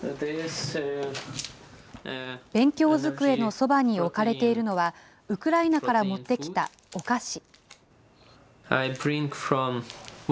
勉強机のそばに置かれているのは、ウクライナから持ってきたお菓子。